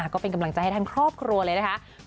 ก็เป็นกำลังใจให้ทั้งครอบครัวเลยนะคะ